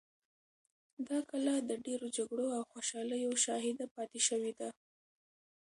دا کلا د ډېرو جګړو او خوشحالیو شاهده پاتې شوې ده.